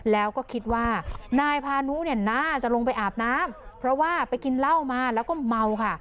แล้วก็คิดว่านายพานุเนี่ยน่าจะลงไปอาบน้ำเพราะว่าไปกินเหล้ามาแล้วก็เมาค่ะ